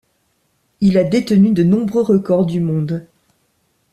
Il a détenu de nombreux records du monde.